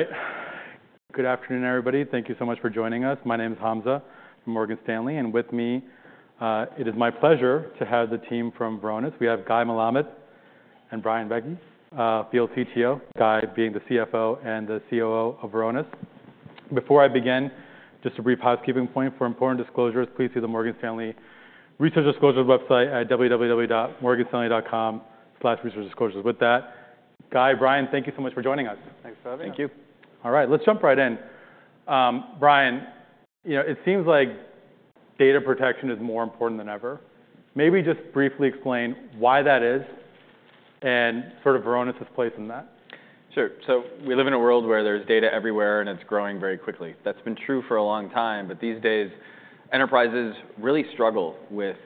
All right. Good afternoon, everybody. Thank you so much for joining us. My name is Hamza from Morgan Stanley, and with me, it is my pleasure to have the team from Varonis. We have Guy Melamed and Brian Vecci, Field CTO, Guy being the CFO and the COO of Varonis. Before I begin, just a brief housekeeping point for important disclosures. Please see the Morgan Stanley Research Disclosures website at www.morganstanley.com/researchdisclosures. With that, Guy, Brian, thank you so much for joining us. Thanks for having me. Thank you. All right. Let's jump right in. Brian, it seems like data protection is more important than ever. Maybe just briefly explain why that is and sort of Varonis's place in that. Sure, so we live in a world where there's data everywhere, and it's growing very quickly. That's been true for a long time, but these days, enterprises really struggle with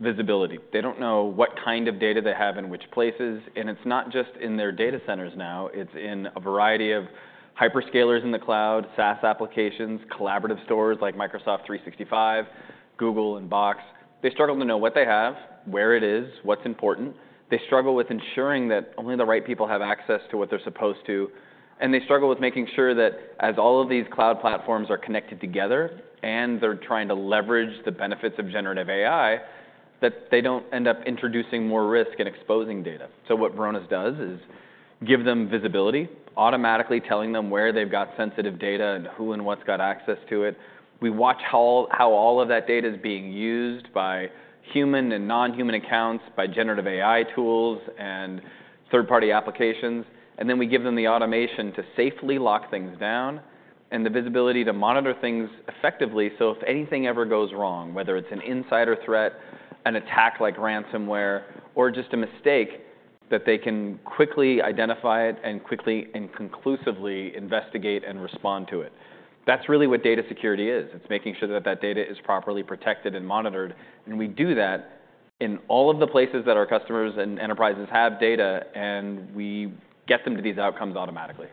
visibility. They don't know what kind of data they have in which places, and it's not just in their data centers now. It's in a variety of hyperscalers in the cloud, SaaS applications, collaborative stores like Microsoft 365, Google, and Box. They struggle to know what they have, where it is, what's important. They struggle with ensuring that only the right people have access to what they're supposed to, and they struggle with making sure that as all of these cloud platforms are connected together and they're trying to leverage the benefits of generative AI, that they don't end up introducing more risk and exposing data. So what Varonis does is give them visibility, automatically telling them where they've got sensitive data and who and what's got access to it. We watch how all of that data is being used by human and non-human accounts, by generative AI tools and third-party applications. And then we give them the automation to safely lock things down and the visibility to monitor things effectively. So if anything ever goes wrong, whether it's an insider threat, an attack like ransomware, or just a mistake, that they can quickly identify it and quickly and conclusively investigate and respond to it. That's really what data security is. It's making sure that that data is properly protected and monitored. And we do that in all of the places that our customers and enterprises have data, and we get them to these outcomes automatically.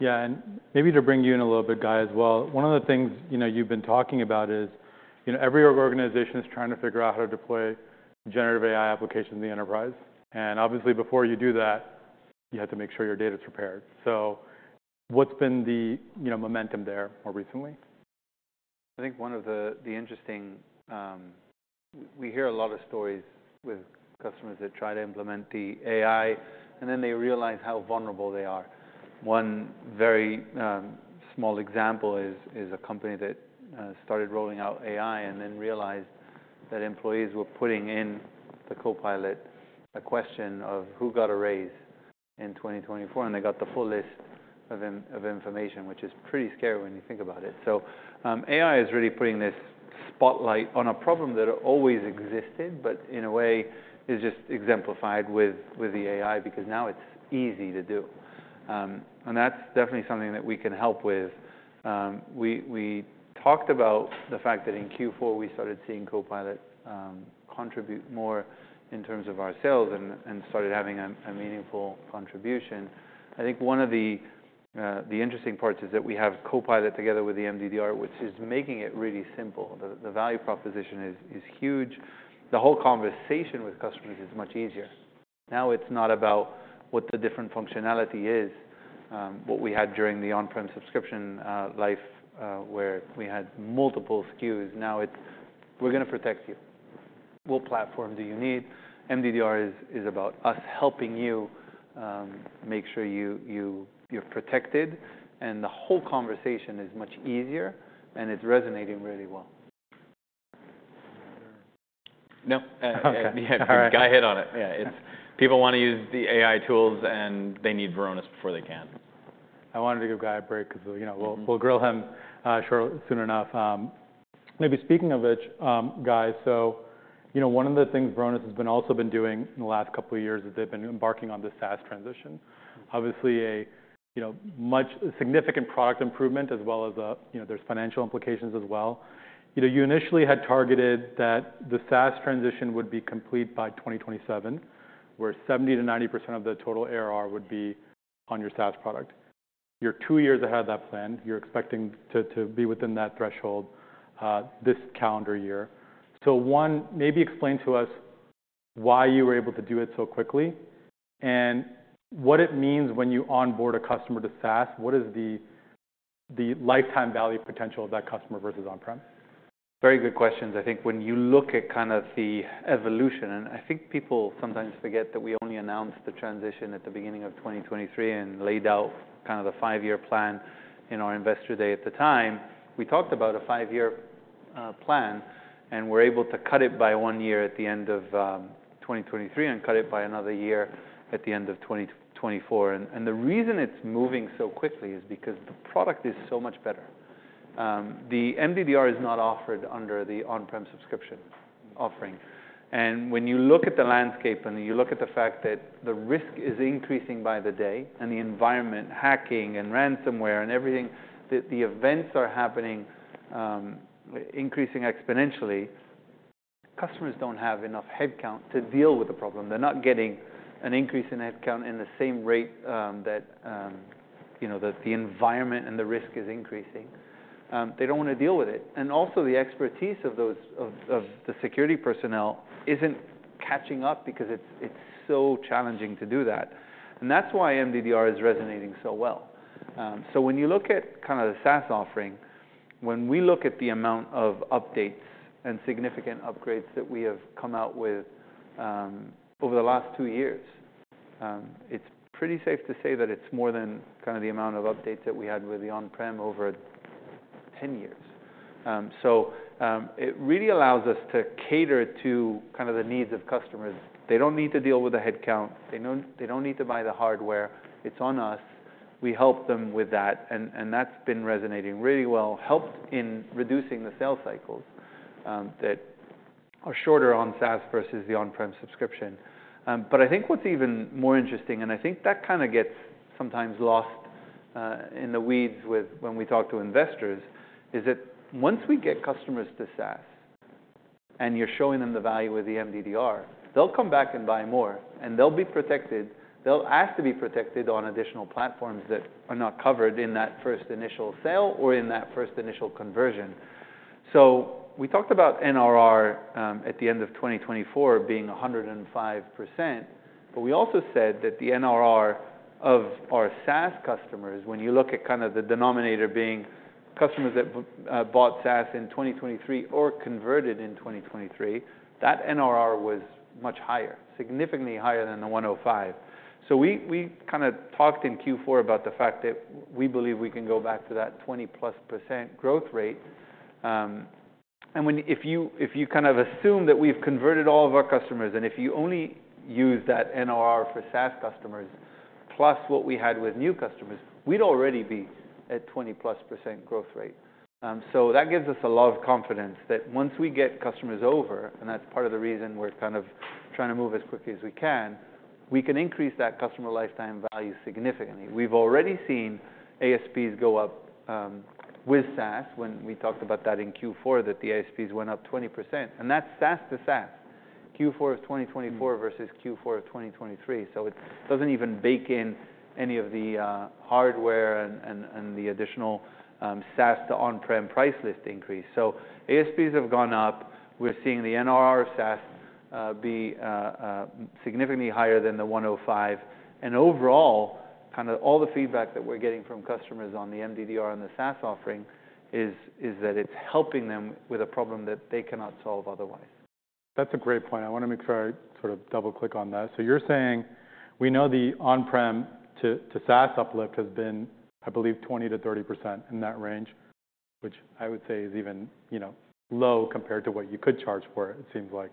Yeah, and maybe to bring you in a little bit, Guy, as well. One of the things you've been talking about is every organization is trying to figure out how to deploy generative AI applications in the enterprise, and obviously, before you do that, you have to make sure your data is prepared, so what's been the momentum there more recently? I think one of the interesting things we hear a lot of stories with customers that try to implement the AI, and then they realize how vulnerable they are. One very small example is a company that started rolling out AI and then realized that employees were putting in the Copilot a question of who got a raise in 2024, and they got the full list of information, which is pretty scary when you think about it, so AI is really putting this spotlight on a problem that always existed, but in a way, is just exemplified with the AI because now it's easy to do, and that's definitely something that we can help with. We talked about the fact that in Q4, we started seeing Copilot contribute more in terms of our sales and started having a meaningful contribution. I think one of the interesting parts is that we have Copilot together with the MDDR, which is making it really simple. The value proposition is huge. The whole conversation with customers is much easier. Now it's not about what the different functionality is. What we had during the on-prem subscription life where we had multiple SKUs, now it's, we're going to protect you. What platform do you need? MDDR is about us helping you make sure you're protected. And the whole conversation is much easier, and it's resonating really well. No. Yeah. Guy hit on it. Yeah. People want to use the AI tools, and they need Varonis before they can. I wanted to give Guy a break because we'll grill him soon enough. Maybe speaking of which, Guy, so one of the things Varonis has also been doing in the last couple of years is they've been embarking on the SaaS transition. Obviously, a much significant product improvement, as well as there's financial implications as well. You initially had targeted that the SaaS transition would be complete by 2027, where 70%-90% of the total ARR would be on your SaaS product. You're two years ahead of that plan. You're expecting to be within that threshold this calendar year. So one, maybe explain to us why you were able to do it so quickly and what it means when you onboard a customer to SaaS. What is the lifetime value potential of that customer versus on-prem? Very good questions. I think when you look at kind of the evolution, and I think people sometimes forget that we only announced the transition at the beginning of 2023 and laid out kind of the five-year plan in our Investor Day at the time. We talked about a five-year plan, and we're able to cut it by one year at the end of 2023 and cut it by another year at the end of 2024. And the reason it's moving so quickly is because the product is so much better. The MDDR is not offered under the on-prem subscription offering. And when you look at the landscape and you look at the fact that the risk is increasing by the day and the environment, hacking and ransomware and everything, the events are happening, increasing exponentially. Customers don't have enough headcount to deal with the problem. They're not getting an increase in headcount in the same rate that the environment and the risk is increasing. They don't want to deal with it. And also, the expertise of the security personnel isn't catching up because it's so challenging to do that. And that's why MDDR is resonating so well. So when you look at kind of the SaaS offering, when we look at the amount of updates and significant upgrades that we have come out with over the last two years, it's pretty safe to say that it's more than kind of the amount of updates that we had with the on-prem over 10 years. So it really allows us to cater to kind of the needs of customers. They don't need to deal with the headcount. They don't need to buy the hardware. It's on us. We help them with that. And that's been resonating really well, helped in reducing the sales cycles that are shorter on SaaS versus the on-prem subscription. But I think what's even more interesting, and I think that kind of gets sometimes lost in the weeds when we talk to investors, is that once we get customers to SaaS and you're showing them the value with the MDDR, they'll come back and buy more, and they'll be protected. They'll ask to be protected on additional platforms that are not covered in that first initial sale or in that first initial conversion. So we talked about NRR at the end of 2024 being 105%, but we also said that the NRR of our SaaS customers, when you look at kind of the denominator being customers that bought SaaS in 2023 or converted in 2023, that NRR was much higher, significantly higher than the 105. So we kind of talked in Q4 about the fact that we believe we can go back to that 20+% growth rate. And if you kind of assume that we've converted all of our customers and if you only use that NRR for SaaS customers plus what we had with new customers, we'd already be at 20+% growth rate. So that gives us a lot of confidence that once we get customers over, and that's part of the reason we're kind of trying to move as quickly as we can, we can increase that customer lifetime value significantly. We've already seen ASPs go up with SaaS. When we talked about that in Q4, that the ASPs went up 20%. And that's SaaS to SaaS. Q4 of 2024 versus Q4 of 2023. So it doesn't even bake in any of the hardware and the additional SaaS to on-prem price list increase. So ASPs have gone up. We're seeing the NRR of SaaS be significantly higher than the 105%. And overall, kind of all the feedback that we're getting from customers on the MDDR and the SaaS offering is that it's helping them with a problem that they cannot solve otherwise. That's a great point. I want to make sure I sort of double-click on that. So you're saying we know the on-prem to SaaS uplift has been, I believe, 20%-30% in that range, which I would say is even low compared to what you could charge for, it seems like.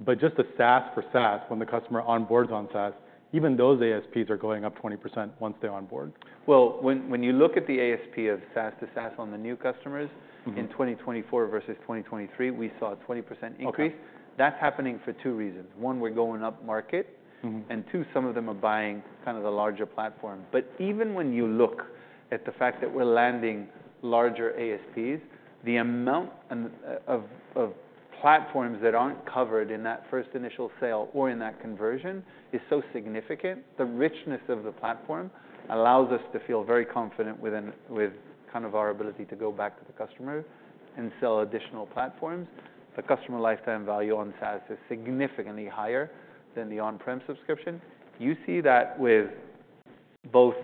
But just the SaaS for SaaS, when the customer onboards on SaaS, even those ASPs are going up 20% once they onboard. When you look at the ASP of SaaS to SaaS on the new customers in 2024 versus 2023, we saw a 20% increase. That's happening for two reasons. One, we're going up market, and two, some of them are buying kind of the larger platform, but even when you look at the fact that we're landing larger ASPs, the amount of platforms that aren't covered in that first initial sale or in that conversion is so significant. The richness of the platform allows us to feel very confident with kind of our ability to go back to the customer and sell additional platforms. The customer lifetime value on SaaS is significantly higher than the on-prem subscription. You see that with both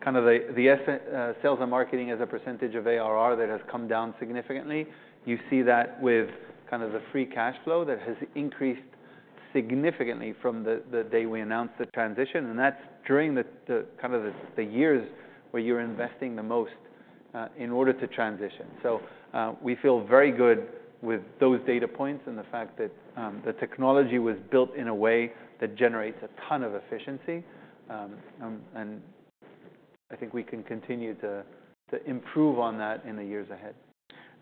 kind of the sales and marketing as a percentage of ARR that has come down significantly. You see that with kind of the free cash flow that has increased significantly from the day we announced the transition, and that's during kind of the years where you're investing the most in order to transition, so we feel very good with those data points and the fact that the technology was built in a way that generates a ton of efficiency, and I think we can continue to improve on that in the years ahead.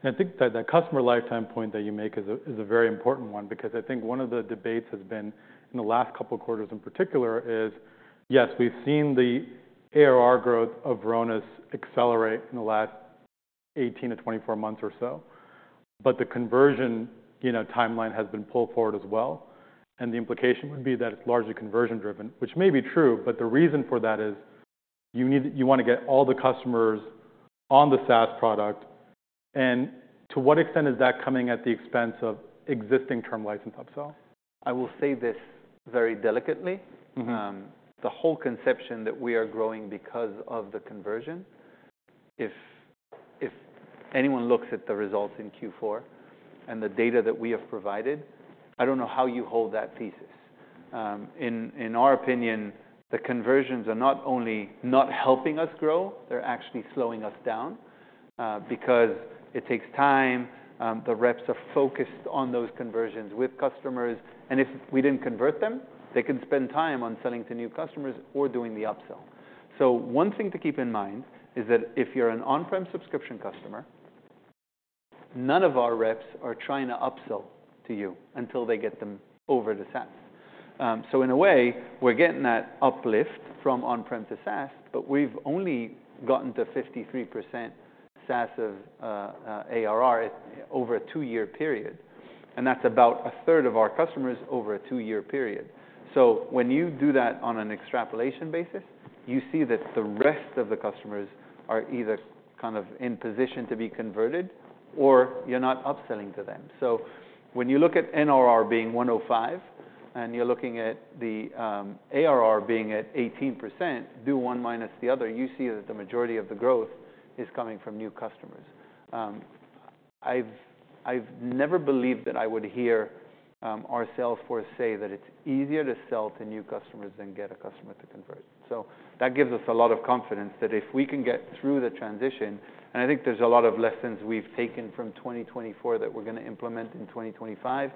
I think that customer lifetime point that you make is a very important one because I think one of the debates has been in the last couple of quarters in particular is, yes, we've seen the ARR growth of Varonis accelerate in the last 18-24 months or so, but the conversion timeline has been pulled forward as well, and the implication would be that it's largely conversion-driven, which may be true, but the reason for that is you want to get all the customers on the SaaS product, and to what extent is that coming at the expense of existing term license upsell? I will say this very delicately. The whole conception that we are growing because of the conversion, if anyone looks at the results in Q4 and the data that we have provided, I don't know how you hold that thesis. In our opinion, the conversions are not only not helping us grow, they're actually slowing us down because it takes time. The reps are focused on those conversions with customers. And if we didn't convert them, they can spend time on selling to new customers or doing the upsell. So one thing to keep in mind is that if you're an on-prem subscription customer, none of our reps are trying to upsell to you until they get them over to SaaS. So in a way, we're getting that uplift from on-prem to SaaS, but we've only gotten to 53% SaaS of ARR over a two-year period. That's about a third of our customers over a two-year period. When you do that on an extrapolation basis, you see that the rest of the customers are either kind of in position to be converted or you're not upselling to them. When you look at NRR being 105 and you're looking at the ARR being at 18%, do one minus the other, you see that the majority of the growth is coming from new customers. I've never believed that I would hear our Salesforce say that it's easier to sell to new customers than get a customer to convert. That gives us a lot of confidence that if we can get through the transition, and I think there's a lot of lessons we've taken from 2024 that we're going to implement in 2025.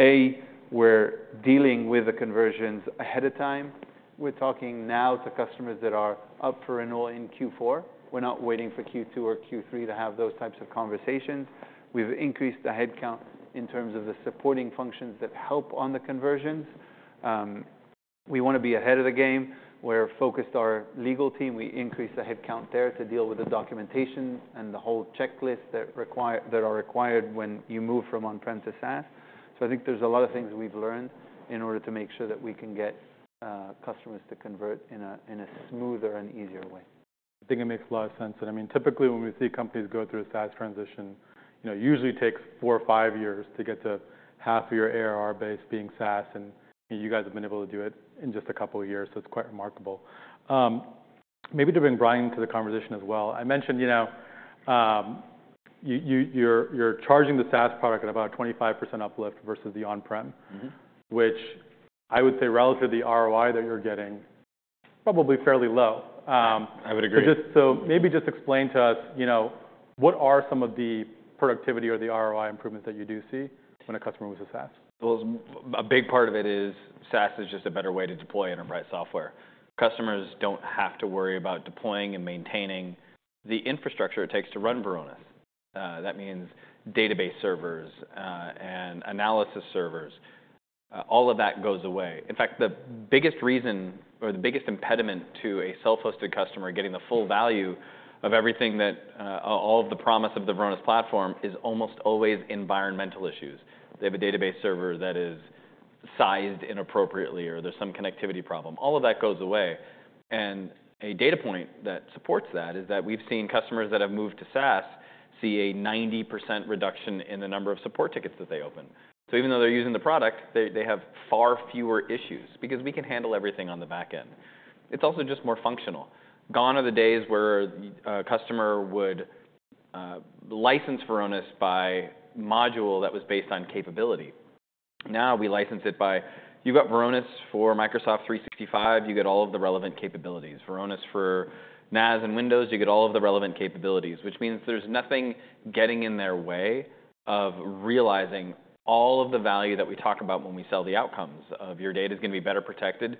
A, we're dealing with the conversions ahead of time. We're talking now to customers that are up for renewal in Q4. We're not waiting for Q2 or Q3 to have those types of conversations. We've increased the headcount in terms of the supporting functions that help on the conversions. We want to be ahead of the game. We're focused on our legal team. We increased the headcount there to deal with the documentation and the whole checklist that are required when you move from on-prem to SaaS. So I think there's a lot of things we've learned in order to make sure that we can get customers to convert in a smoother and easier way. I think it makes a lot of sense, and I mean, typically when we see companies go through a SaaS transition, it usually takes four or five years to get to half of your ARR base being SaaS, and you guys have been able to do it in just a couple of years, so it's quite remarkable. Maybe to bring Brian into the conversation as well, I mentioned you're charging the SaaS product at about a 25% uplift versus the on-prem, which I would say relative to the ROI that you're getting, probably fairly low. I would agree. So maybe just explain to us, what are some of the productivity or the ROI improvements that you do see when a customer moves to SaaS? A big part of it is SaaS is just a better way to deploy enterprise software. Customers don't have to worry about deploying and maintaining the infrastructure it takes to run Varonis. That means database servers and analysis servers. All of that goes away. In fact, the biggest reason or the biggest impediment to a self-hosted customer getting the full value of everything that all of the promise of the Varonis platform is almost always environmental issues. They have a database server that is sized inappropriately or there's some connectivity problem. All of that goes away. And a data point that supports that is that we've seen customers that have moved to SaaS see a 90% reduction in the number of support tickets that they open. So even though they're using the product, they have far fewer issues because we can handle everything on the back end. It's also just more functional. Gone are the days where a customer would license Varonis by module that was based on capability. Now we license it by you've got Varonis for Microsoft 365, you get all of the relevant capabilities. Varonis for NAS and Windows, you get all of the relevant capabilities, which means there's nothing getting in their way of realizing all of the value that we talk about when we sell the outcomes of your data is going to be better protected.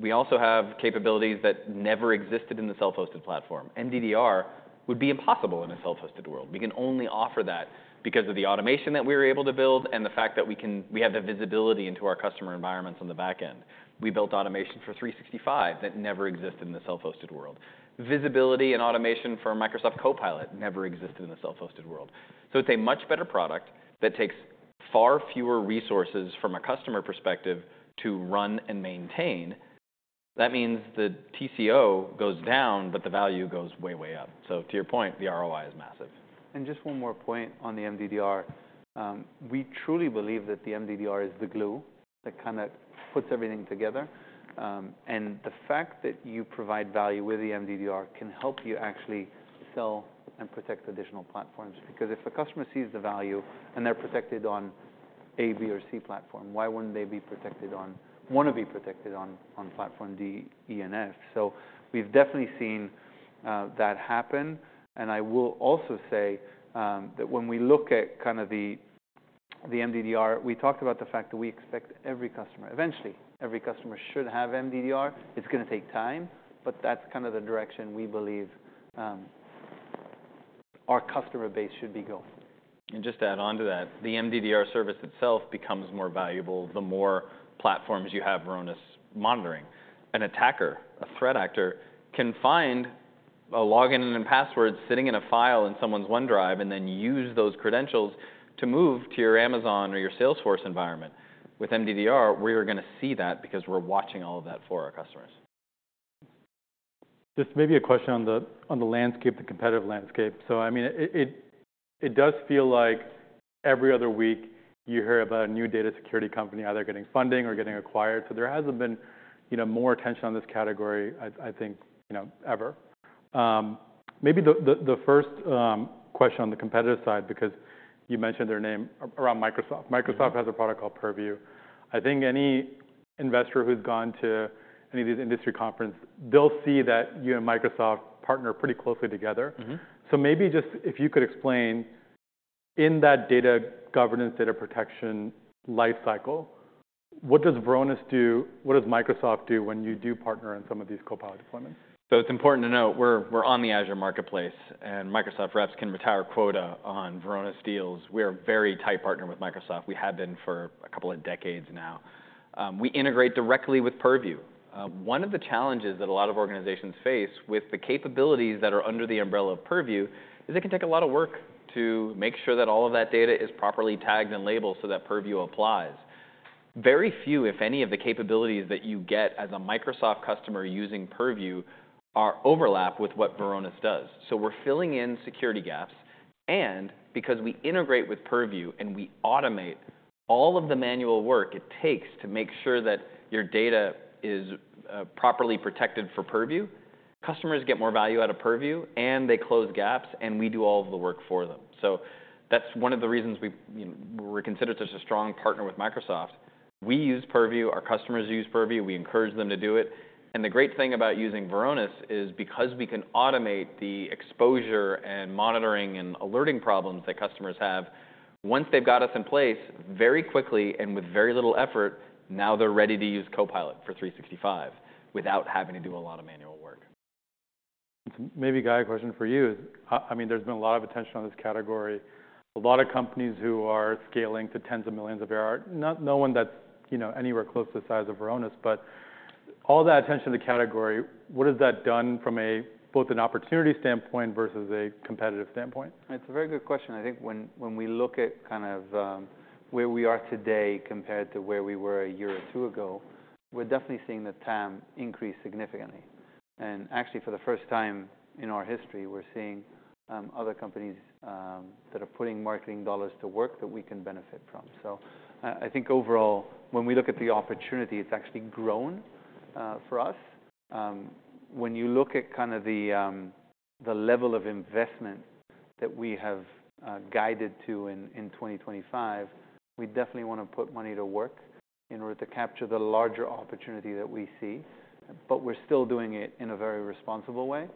We also have capabilities that never existed in the self-hosted platform. MDDR would be impossible in a self-hosted world. We can only offer that because of the automation that we were able to build and the fact that we have the visibility into our customer environments on the back end. We built automation for 365 that never existed in the self-hosted world. Visibility and automation for Microsoft Copilot never existed in the self-hosted world. So it's a much better product that takes far fewer resources from a customer perspective to run and maintain. That means the TCO goes down, but the value goes way, way up. So to your point, the ROI is massive. Just one more point on the MDDR. We truly believe that the MDDR is the glue that kind of puts everything together. The fact that you provide value with the MDDR can help you actually sell and protect additional platforms because if a customer sees the value and they're protected on A, B, or C platform, why wouldn't they want to be protected on platform D, E, and F? So we've definitely seen that happen. I will also say that when we look at kind of the MDDR, we talked about the fact that we expect every customer eventually, every customer should have MDDR. It's going to take time, but that's kind of the direction we believe our customer base should be going. Just to add on to that, the MDDR service itself becomes more valuable the more platforms you have Varonis monitoring. An attacker, a threat actor, can find a login and password sitting in a file in someone's OneDrive and then use those credentials to move to your Amazon or your Salesforce environment. With MDDR, we're going to see that because we're watching all of that for our customers. Just maybe a question on the landscape, the competitive landscape. So I mean, it does feel like every other week you hear about a new data security company, either getting funding or getting acquired. So there hasn't been more attention on this category, I think, ever. Maybe the first question on the competitive side, because you mentioned their name around Microsoft. Microsoft has a product called Purview. I think any investor who's gone to any of these industry conferences, they'll see that you and Microsoft partner pretty closely together. So maybe just if you could explain in that data governance, data protection lifecycle, what does Varonis do? What does Microsoft do when you do partner on some of these Copilot deployments? So it's important to note we're on the Azure Marketplace, and Microsoft reps can retire quota on Varonis deals. We're a very tight partner with Microsoft. We have been for a couple of decades now. We integrate directly with Purview. One of the challenges that a lot of organizations face with the capabilities that are under the umbrella of Purview is it can take a lot of work to make sure that all of that data is properly tagged and labeled so that Purview applies. Very few, if any, of the capabilities that you get as a Microsoft customer using Purview overlap with what Varonis does. So we're filling in security gaps. And because we integrate with Purview and we automate all of the manual work it takes to make sure that your data is properly protected for Purview, customers get more value out of Purview, and they close gaps, and we do all of the work for them. So that's one of the reasons we're considered such a strong partner with Microsoft. We use Purview. Our customers use Purview. We encourage them to do it. And the great thing about using Varonis is because we can automate the exposure and monitoring and alerting problems that customers have, once they've got us in place very quickly and with very little effort, now they're ready to use Copilot for 365 without having to do a lot of manual work. Maybe a guide question for you is, I mean, there's been a lot of attention on this category. A lot of companies who are scaling to tens of millions of ARR, no one that's anywhere close to the size of Varonis, but all that attention to the category, what has that done from both an opportunity standpoint versus a competitive standpoint? It's a very good question. I think when we look at kind of where we are today compared to where we were a year or two ago, we're definitely seeing the TAM increase significantly, and actually, for the first time in our history, we're seeing other companies that are putting marketing dollars to work that we can benefit from, so I think overall, when we look at the opportunity, it's actually grown for us. When you look at kind of the level of investment that we have guided to in 2025, we definitely want to put money to work in order to capture the larger opportunity that we see, but we're still doing it in a very responsible way.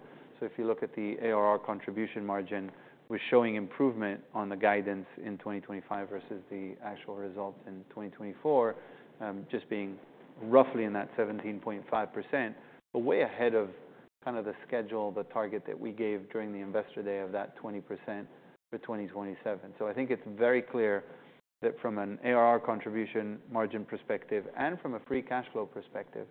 So if you look at the ARR contribution margin, we're showing improvement on the guidance in 2025 versus the actual results in 2024, just being roughly in that 17.5%, but way ahead of kind of the schedule, the target that we gave during the Investor Day of that 20% for 2027. So I think it's very clear that from an ARR contribution margin perspective and from a free cash flow perspective,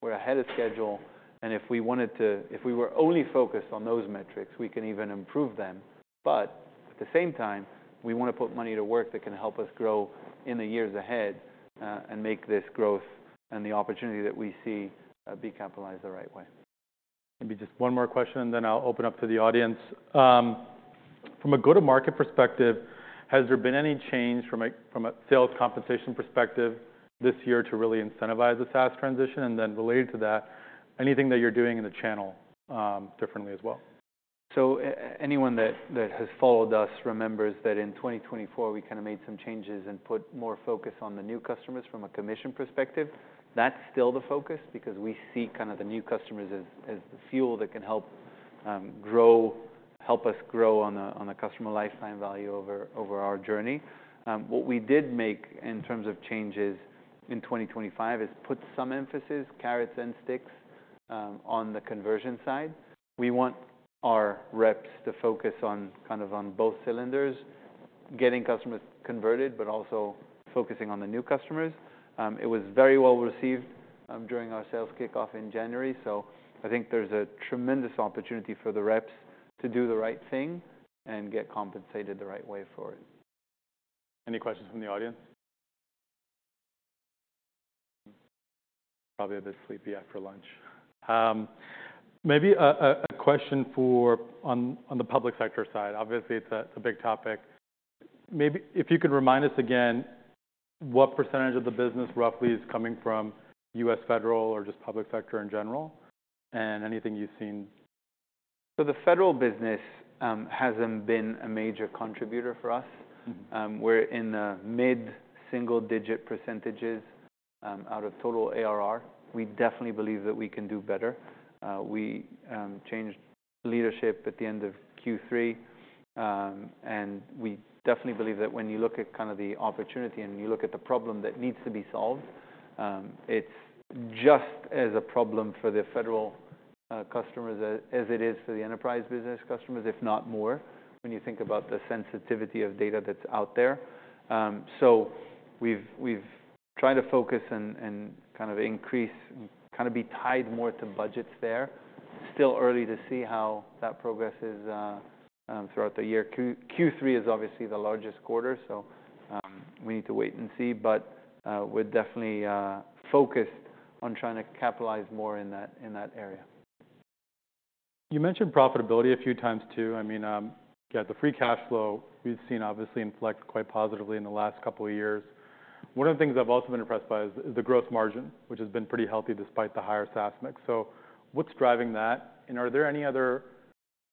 we're ahead of schedule. And if we wanted to, if we were only focused on those metrics, we can even improve them. But at the same time, we want to put money to work that can help us grow in the years ahead and make this growth and the opportunity that we see be capitalized the right way. Maybe just one more question, and then I'll open up to the audience. From a go-to-market perspective, has there been any change from a sales compensation perspective this year to really incentivize the SaaS transition? And then related to that, anything that you're doing in the channel differently as well? So anyone that has followed us remembers that in 2024, we kind of made some changes and put more focus on the new customers from a commission perspective. That's still the focus because we see kind of the new customers as the fuel that can help us grow on the customer lifetime value over our journey. What we did make in terms of changes in 2025 is put some emphasis, carrots and sticks, on the conversion side. We want our reps to focus on kind of on both cylinders, getting customers converted, but also focusing on the new customers. It was very well received during our Sales Kickoff in January. So I think there's a tremendous opportunity for the reps to do the right thing and get compensated the right way for it. Any questions from the audience? Probably a bit sleepy after lunch. Maybe a question on the public sector side. Obviously, it's a big topic. Maybe if you could remind us again what percentage of the business roughly is coming from U.S. Federal or just public sector in general and anything you've seen? The federal business hasn't been a major contributor for us. We're in the mid-single-digit % out of total ARR. We definitely believe that we can do better. We changed leadership at the end of Q3. We definitely believe that when you look at kind of the opportunity and you look at the problem that needs to be solved, it's just as a problem for the federal customers as it is for the enterprise business customers, if not more, when you think about the sensitivity of data that's out there. We've tried to focus and kind of increase and kind of be tied more to budgets there. Still early to see how that progresses throughout the year. Q3 is obviously the largest quarter, so we need to wait and see. We're definitely focused on trying to capitalize more in that area. You mentioned profitability a few times too. I mean, yeah, the free cash flow we've seen obviously inflect quite positively in the last couple of years. One of the things I've also been impressed by is the gross margin, which has been pretty healthy despite the higher SaaS mix. So what's driving that? And are there any other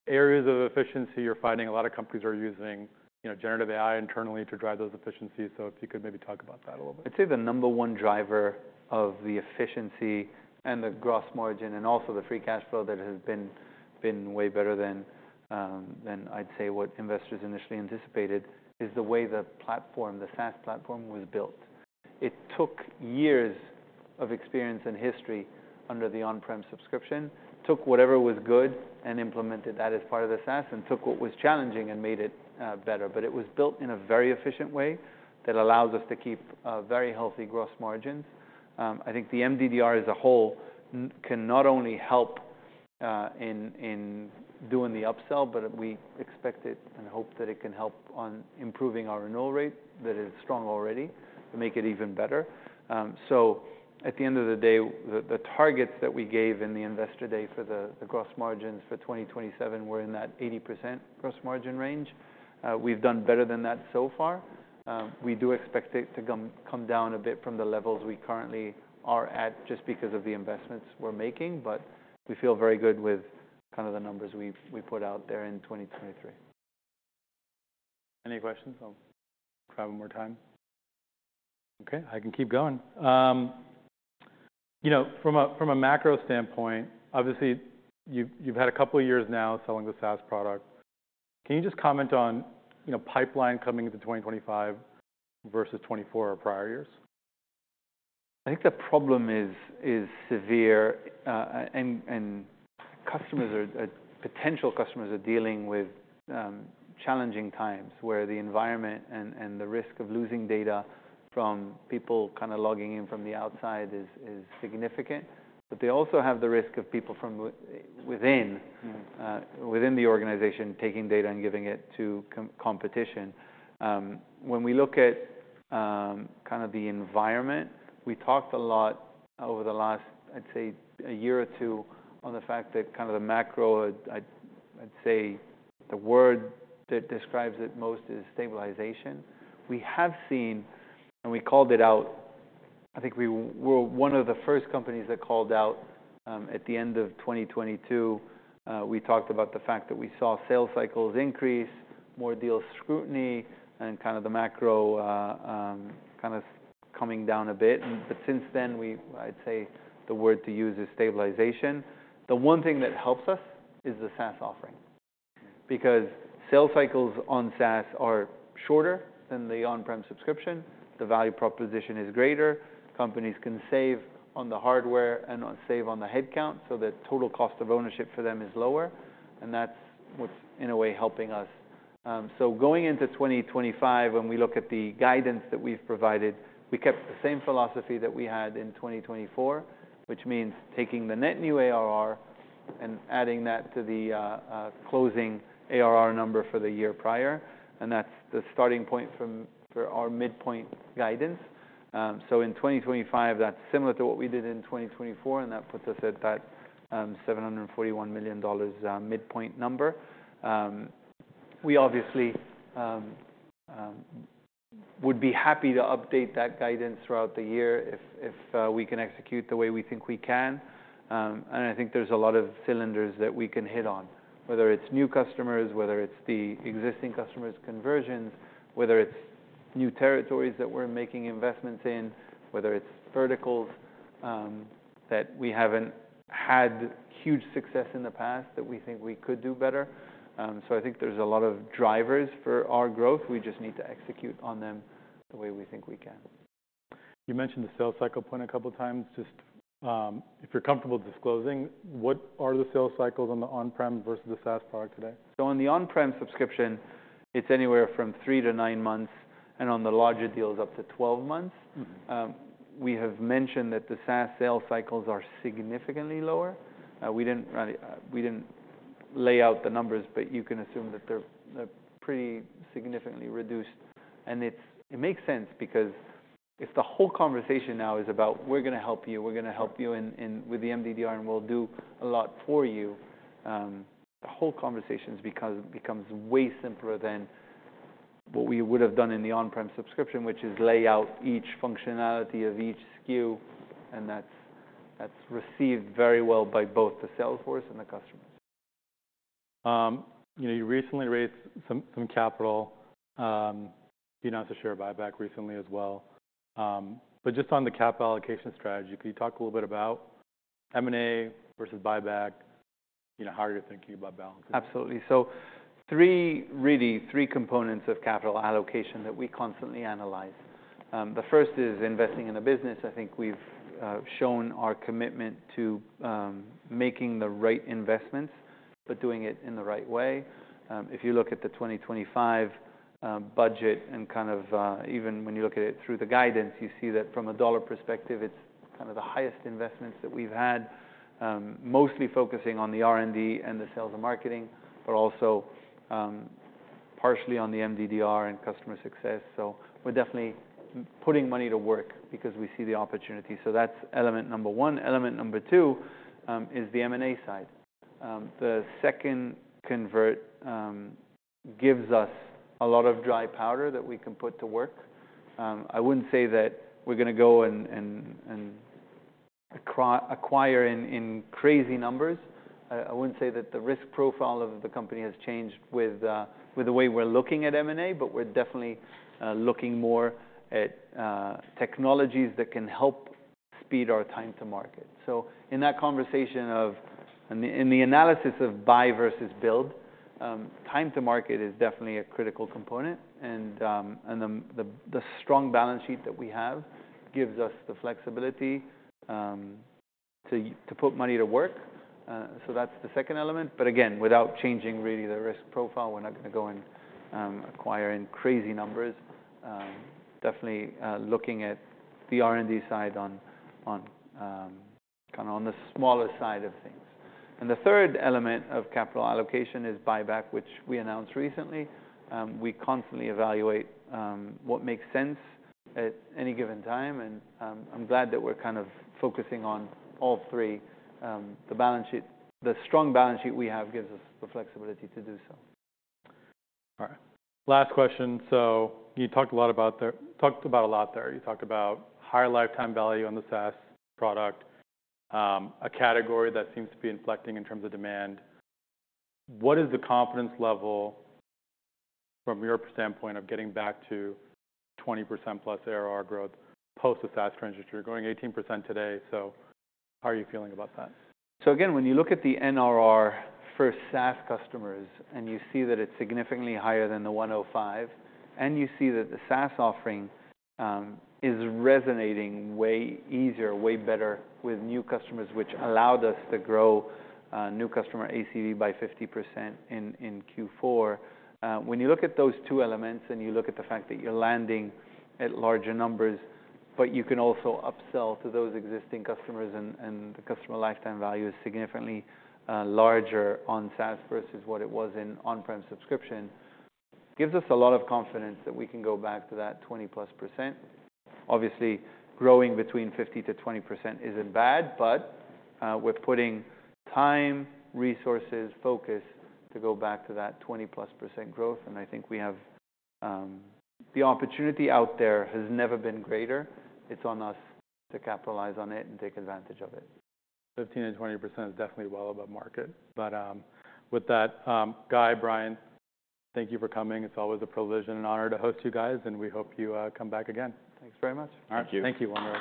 areas of efficiency you're finding a lot of companies are using generative AI internally to drive those efficiencies? So if you could maybe talk about that a little bit. I'd say the number one driver of the efficiency and the gross margin and also the free cash flow that has been way better than I'd say what investors initially anticipated is the way the platform, the SaaS platform, was built. It took years of experience and history under the on-prem subscription, took whatever was good and implemented that as part of the SaaS, and took what was challenging and made it better. But it was built in a very efficient way that allows us to keep very healthy gross margins. I think the MDDR as a whole can not only help in doing the upsell, but we expect it and hope that it can help on improving our renewal rate that is strong already to make it even better. At the end of the day, the targets that we gave in the Investor Day for the gross margins for 2027 were in that 80% gross margin range. We've done better than that so far. We do expect it to come down a bit from the levels we currently are at just because of the investments we're making, but we feel very good with kind of the numbers we put out there in 2023. Any questions? I'll grab one more time. Okay, I can keep going. From a macro standpoint, obviously, you've had a couple of years now selling the SaaS product. Can you just comment on pipeline coming into 2025 versus 2024 or prior years? I think the problem is severe, and potential customers are dealing with challenging times where the environment and the risk of losing data from people kind of logging in from the outside is significant. But they also have the risk of people from within the organization taking data and giving it to competition. When we look at kind of the environment, we talked a lot over the last, I'd say, a year or two on the fact that kind of the macro, I'd say the word that describes it most is stabilization. We have seen, and we called it out. I think we were one of the first companies that called out at the end of 2022. We talked about the fact that we saw sales cycles increase, more deal scrutiny, and kind of the macro kind of coming down a bit. But since then, I'd say the word to use is stabilization. The one thing that helps us is the SaaS offering because sales cycles on SaaS are shorter than the on-prem subscription. The value proposition is greater. Companies can save on the hardware and save on the headcount, so the total cost of ownership for them is lower. And that's what's in a way helping us. So going into 2025, when we look at the guidance that we've provided, we kept the same philosophy that we had in 2024, which means taking the net new ARR and adding that to the closing ARR number for the year prior. And that's the starting point for our midpoint guidance. So in 2025, that's similar to what we did in 2024, and that puts us at that $741 million midpoint number. We obviously would be happy to update that guidance throughout the year if we can execute the way we think we can. And I think there's a lot of cylinders that we can hit on, whether it's new customers, whether it's the existing customers' conversions, whether it's new territories that we're making investments in, whether it's verticals that we haven't had huge success in the past that we think we could do better. So I think there's a lot of drivers for our growth. We just need to execute on them the way we think we can. You mentioned the sales cycle point a couple of times. Just if you're comfortable disclosing, what are the sales cycles on the on-prem versus the SaaS product today? So on the on-prem subscription, it's anywhere from three to nine months, and on the larger deals, up to 12 months. We have mentioned that the SaaS sales cycles are significantly lower. We didn't lay out the numbers, but you can assume that they're pretty significantly reduced. And it makes sense because if the whole conversation now is about, "We're going to help you, we're going to help you with the MDDR, and we'll do a lot for you," the whole conversation becomes way simpler than what we would have done in the on-prem subscription, which is lay out each functionality of each SKU. And that's received very well by both the Salesforce and the customers. You recently raised some capital. You announced a share buyback recently as well. But just on the capital allocation strategy, could you talk a little bit about M&A versus buyback, how you're thinking about balancing? Absolutely. So really, three components of capital allocation that we constantly analyze. The first is investing in a business. I think we've shown our commitment to making the right investments, but doing it in the right way. If you look at the 2025 budget and kind of even when you look at it through the guidance, you see that from a dollar perspective, it's kind of the highest investments that we've had, mostly focusing on the R&D and the sales and marketing, but also partially on the MDDR and customer success. So we're definitely putting money to work because we see the opportunity. So that's element number one. Element number two is the M&A side. The second convertible gives us a lot of dry powder that we can put to work. I wouldn't say that we're going to go and acquire in crazy numbers. I wouldn't say that the risk profile of the company has changed with the way we're looking at M&A, but we're definitely looking more at technologies that can help speed our time to market. So in that conversation the analysis of buy versus build, time to market is definitely a critical component. And the strong balance sheet that we have gives us the flexibility to put money to work. So that's the second element. But again, without changing really the risk profile, we're not going to go and acquire in crazy numbers. Definitely looking at the R&D side kind of on the smaller side of things. And the third element of capital allocation is buyback, which we announced recently. We constantly evaluate what makes sense at any given time. And I'm glad that we're kind of focusing on all three. The strong balance sheet we have gives us the flexibility to do so. All right. Last question. So you talked a lot about that. You talked about higher lifetime value on the SaaS product, a category that seems to be inflecting in terms of demand. What is the confidence level from your standpoint of getting back to 20% plus ARR growth post the SaaS transition? You're going 18% today. So how are you feeling about that? Again, when you look at the NRR for SaaS customers and you see that it's significantly higher than the 105, and you see that the SaaS offering is resonating way easier, way better with new customers, which allowed us to grow new customer ACV by 50% in Q4. When you look at those two elements and you look at the fact that you're landing at larger numbers, but you can also upsell to those existing customers and the customer lifetime value is significantly larger on SaaS versus what it was in on-prem subscription, it gives us a lot of confidence that we can go back to that 20+%. Obviously, growing between 50%-20% isn't bad, but we're putting time, resources, focus to go back to that 20+% growth. And I think we have the opportunity out there has never been greater. It's on us to capitalize on it and take advantage of it. 15%-20% is definitely well above market. But with that, Guy, Brian, thank you for coming. It's always a privilege and an honor to host you guys, and we hope you come back again. Thanks very much. Thank you. Thank you very much.